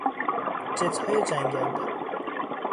جتهای جنگنده